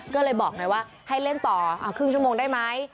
ก็เลยบอกไงว่าให้เล่นต่อครึ่งชั่วโมงได้ไหม